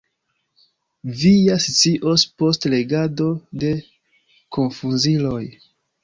Vi ja scios post legado de Konfuziloj.